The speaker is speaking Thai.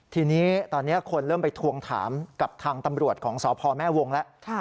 ทีนี้ตอนนี้คนเริ่มไปทวงถามกับทางตำรวจของสพแม่วงแล้ว